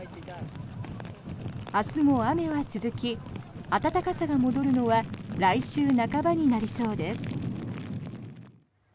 明日も雨は続き暖かさが戻るのは来週半ばになりそうです。